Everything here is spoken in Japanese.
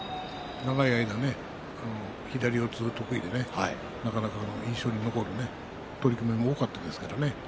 長い間、左四つ得意でなかなか印象に残る取組も多かったですからね。